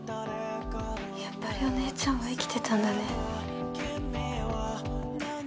やっぱりお姉ちゃんは生きてたんだね？